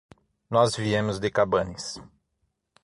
Nós viemos de Cabanes.